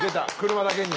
「車」だけに。